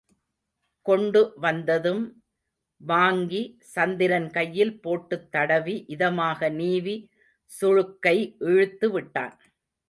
கொண்டு வந்ததும் வாங்கி, சந்திரன் கையில் போட்டுத் தடவி, இதமாக நீவி சுளுக்கை இழுத்து விட்டான்.